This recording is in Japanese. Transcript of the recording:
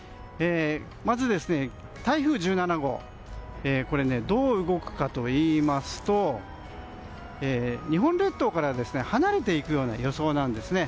まず、台風１７号がどう動くかといいますと日本列島から離れていくような予想なんですね。